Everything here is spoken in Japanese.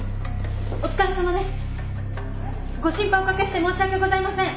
お疲れさまです！ご心配おかけして申し訳ございません。